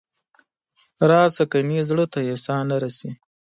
راشه ګنې زړه ته یې ساه نه رسي.